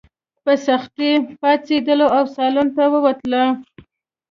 په سختۍ پاڅېدله او سالون ته ووتله.